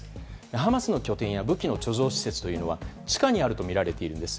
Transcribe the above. ハマスの拠点や武器の貯蔵施設は地下にあるとみられているんです。